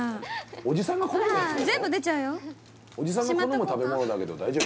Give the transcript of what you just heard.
おじさんが好む食べ物だけど大丈夫？